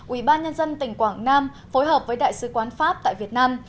ubnd tỉnh quảng nam phối hợp với đại sứ quán pháp tại việt nam